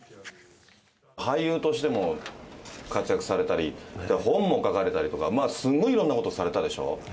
俳優としても活躍されたり、本も書かれたりとか、すごいいろんなことされたでしょ？